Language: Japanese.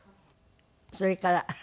それから。